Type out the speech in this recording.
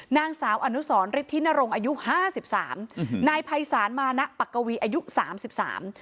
นางสาวอนุสรฤทธินรงค์อายุห้าสิบสามอืมนายภัยศาลมานะปักกวีอายุสามสิบสาม